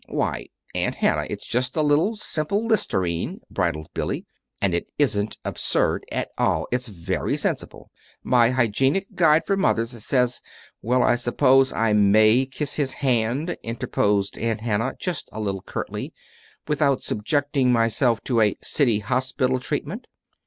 "Why, Aunt Hannah, it's just a little simple listerine," bridled Billy, "and it isn't absurd at all. It's very sensible. My 'Hygienic Guide for Mothers' says " "Well, I suppose I may kiss his hand," interposed Aunt Hannah, just a little curtly, "without subjecting myself to a City Hospital treatment!"